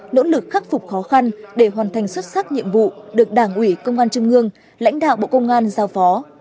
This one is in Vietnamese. nỗ lực khắc phục khó khăn để hoàn thành xuất sắc nhiệm vụ được đảng ủy công an trung ương lãnh đạo bộ công an giao phó